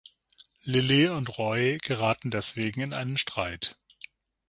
Lilly und Roy geraten deswegen in einen Streit.